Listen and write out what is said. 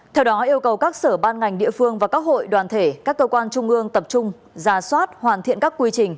theo đó yêu cầu các sở ban ngành địa phương và các hội đoàn thể các cơ quan trung ương tập trung giả soát hoàn thiện các quy trình